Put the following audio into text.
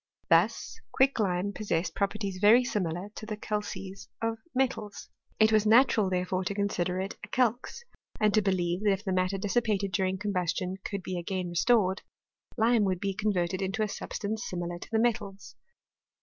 Thus quicklime possessed properties very similar to the calces of metals. It was natural, therefore, to consider it as a calx, and to believe that if the matter dissipated during com bustion could be again restored, lime would be con verted into a substance similar to the metals.